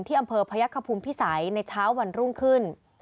อำเภอพยักษภูมิพิสัยในเช้าวันรุ่งขึ้น